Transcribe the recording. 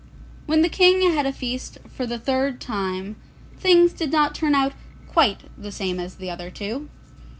When the King had a feast for the third time, things did not turn out quite the same as at the other two.